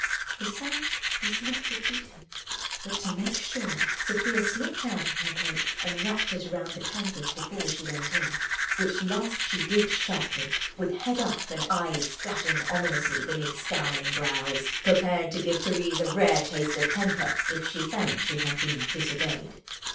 The sound was not repeated, but to make sure Sofia slipped out of her cloak and wrapped it round the canvas before she went in; which last she did sharply, with head up and eyes flashing ominously beneath scowling brows—prepared to give Thérèse a rare taste of temper if she found she had been disobeyed.